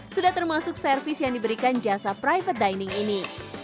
sudah termasuk servis yang diberikan jasa private dining ini